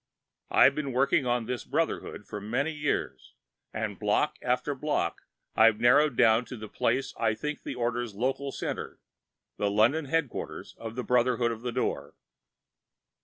"I've been working on this Brotherhood for many years, and block after block I've narrowed down to the place I think the order's local center, the London headquarters of the Brotherhood of the Door."